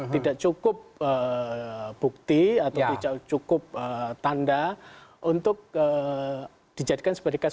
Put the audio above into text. tidak cukup bukti atau tidak cukup tanda untuk dijadikan sebagai kasus